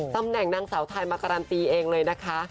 นางสาวไทยมาการันตีเองเลยนะคะ